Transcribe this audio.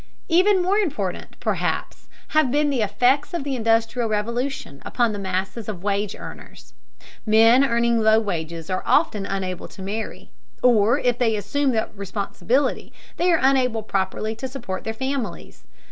Even more important, perhaps, have been the effects of the Industrial Revolution upon the masses of wage earners. Men earning low wages are often unable to marry, or, if they assume that responsibility, they are unable properly to support their families.